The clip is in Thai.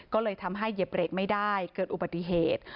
ก็เลยทำให้เหยียบเบรกไม่ได้เกิดอุบัติเหตุ